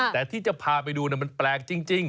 แต่ที่จะพาไปดูมันแปลกจริง